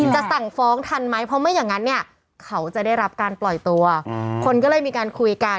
จะสั่งฟ้องทันไหมเพราะไม่อย่างนั้นเนี่ยเขาจะได้รับการปล่อยตัวคนก็เลยมีการคุยกัน